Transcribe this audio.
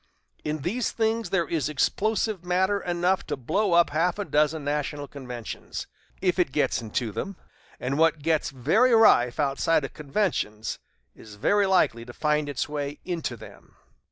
In these things there is explosive matter enough to blow up half a dozen national conventions, if it gets into them; and what gets very rife outside of conventions is very likely to find its way into them."